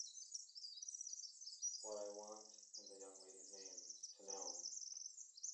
But I want, in the young lady's name, to know.